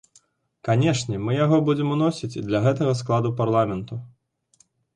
Канешне, мы яго будзем уносіць і для гэтага складу парламенту.